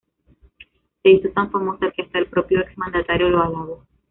Se hizo tan famosa que hasta el propio ex mandatario lo alabó.